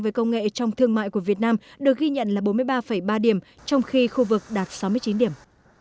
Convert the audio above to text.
về công nghệ trong thương mại của việt nam được ghi nhận là bốn mươi ba ba điểm trong khi khu vực đạt sáu mươi chín điểm